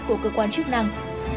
của cơ quan chức năng